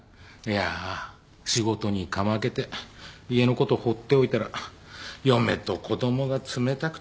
いや仕事にかまけて家のこと放っておいたら嫁と子供が冷たくて。